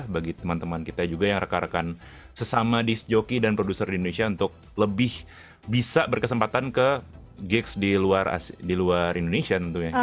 bagi teman teman kita juga yang rekan rekan sesama disc joki dan produser di indonesia untuk lebih bisa berkesempatan ke gigs di luar indonesia tentunya